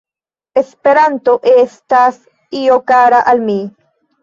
“Esperanto estas io kara al mi.